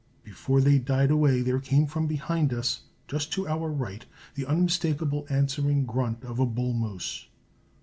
Before they died away, there came from behind us, just to our right, the unmistakable answering grunt of a bull moose.